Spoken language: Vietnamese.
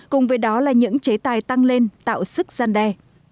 cùng với đó là những chế tài tăng lên tạo sức gian đe